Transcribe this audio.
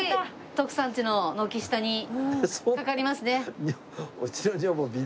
徳さんちの軒下に掛かりますね。